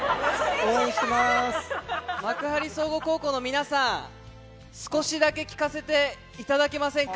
幕張総合高校の皆さん、少しだけ聴かせていただけませんか？